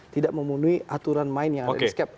tidak memenuhi aturan main yang ada di skep